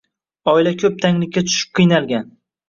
Oila ko’p tanglikka tushib qiynalgan.